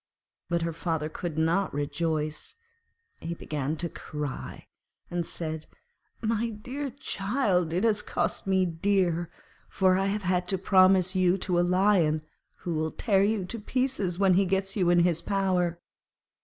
But her father could not rejoice; he began to cry, and said, 'My dear child, it has cost me dear, for I have had to promise you to a Lion who will tear you in pieces when he has you in his power.'